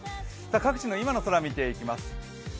各地の今の空、見ていきます。